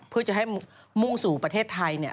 เพื่อจะให้มุ่งสู่ประเทศไทย